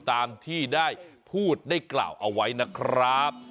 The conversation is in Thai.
ตามที่ได้พูดได้กล่าวเอาไว้นะครับ